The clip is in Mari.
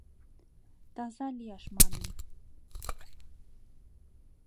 Таза лияш манын